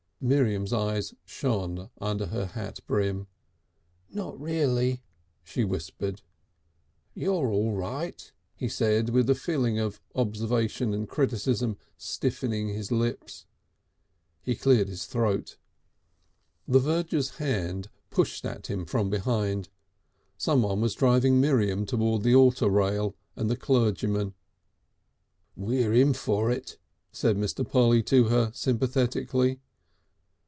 Miriam's eyes shone under her hat brim. "Not reely!" she whispered. "You're all right," he said with the feeling of observation and criticism stiffening his lips. He cleared his throat. The verger's hand pushed at him from behind. Someone was driving Miriam towards the altar rail and the clergyman. "We're in for it," said Mr. Polly to her sympathetically.